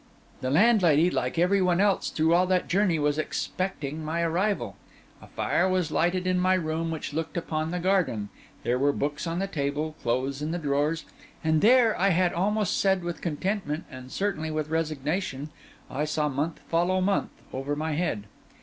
The landlady, like every one else through all that journey, was expecting my arrival. A fire was lighted in my room, which looked upon the garden; there were books on the table, clothes in the drawers; and there (I had almost said with contentment, and certainly with resignation) I saw month follow month over my head.